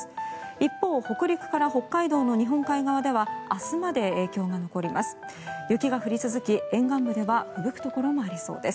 一方、北陸から北海道の日本海側では明日まで影響が残ります。